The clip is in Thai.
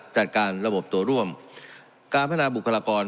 จัดการระบบตัวร่วมการพัฒนาบุคลากร